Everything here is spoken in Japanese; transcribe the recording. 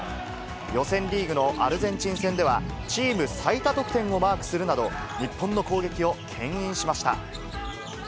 予選リーグのアルゼンチン戦では、チーム最多得点をマークするなど、日本の攻撃をけん引しました。